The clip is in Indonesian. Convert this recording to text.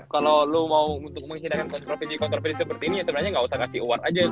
kalau lu mau menghirangkan kontroversi kontroversi seperti ini sebenarnya ga usah kasih award aja